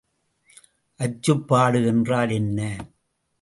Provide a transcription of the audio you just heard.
அச்சுப்பாடு என்றால் என்ன?